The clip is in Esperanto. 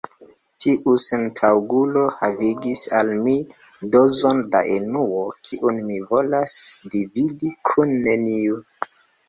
Tiu sentaŭgulo havigis al mi dozon da enuo, kiun mi volas dividi kun neniu.